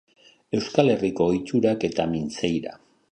Euskal Herriko ohiturak eta mintzaira